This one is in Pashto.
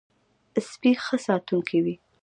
سپي ښه ساتونکی وي.